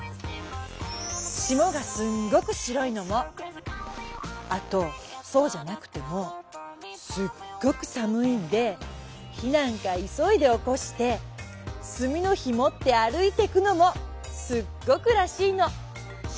霜がすんごく白いのもあとそうじゃなくてもすっごく寒いんで火なんか急いでおこして炭の火持って歩いてくのもすっごくらしいの。